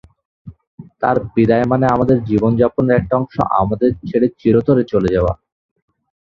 তার বিদায় মানে আমাদের জীবনযাপনের একটা অংশ আমাদের ছেড়ে চিরতরে চলে যাওয়া।